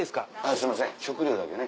すいません食料だけね。